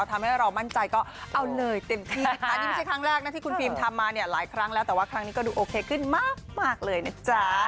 อันนี้ไม่ใช่ครั้งแรกที่คุณฟิล์มทำมาหลายครั้งแล้วแต่ว่าครั้งนี้ก็ดูโอเคขึ้นมากเลยนะจ๊ะ